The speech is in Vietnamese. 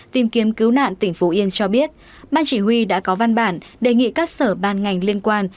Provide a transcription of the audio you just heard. tìm kiếm cứu nạn tỉnh phú yên cho biết ban chỉ huy đã có văn bản đề nghị các sở ban ngành liên quan